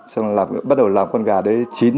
xong rồi bắt đầu làm con gà đấy chín